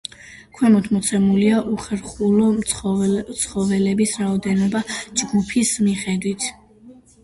ქვემოთ მოცემულია უხერხემლო ცხოველების რაოდენობა ჯგუფების მიხედვით.